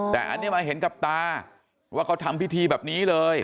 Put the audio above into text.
แต่อันนี้มาเห็นกับตาว่าเขาทำพิธีแบบนี้เลย